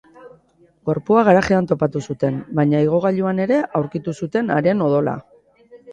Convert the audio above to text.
Gorpua garajean topatu zuten, baina igogailuan ere aurkitu zuten haren odola.